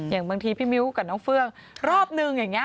อย่างบางทีพี่มิ้วกับน้องเฟื่องรอบนึงอย่างนี้